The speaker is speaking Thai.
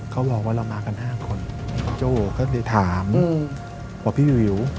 เขาบอกว่าเรามากันห้าคนโจ้เขาเลยถามว่าพี่วิว